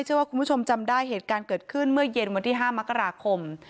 เชื่อว่าคุณผู้ชมจำได้เหตุการณ์เกิดขึ้นเมื่อเย็นวันที่๕มกราคม